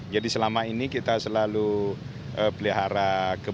jadi selama ini kita selalu pelihara kebun